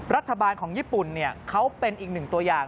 รัฐบาลของญี่ปุ่นเขาเป็นอีกหนึ่งตัวอย่าง